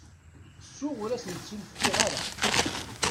Ttuɣ, ur asen-tt-in-fkiɣ ara.